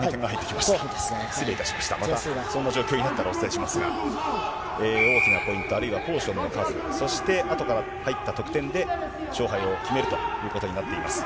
またそんな状況になったらお伝えしますが、大きなポイント、あるいはポーションの数、そして後から入ったポイントの数で勝敗を決めるということになっています。